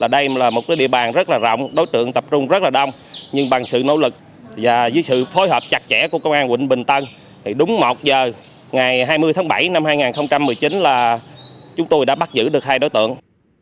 đây là một địa bàn rất rộng đối tượng tập trung rất là đông nhưng bằng sự nỗ lực và với sự phối hợp chặt chẽ của công an quận bình tân thì đúng một giờ ngày hai mươi tháng bảy năm hai nghìn một mươi chín là chúng tôi đã bắt giữ được hai đối tượng